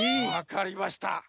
わかりました！